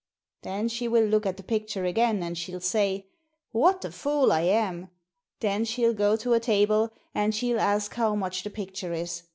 Then she will look at the picture again, and she'll say, ' What a fool I am !* Then she'll go to a table, and she'll ask how much the picture is.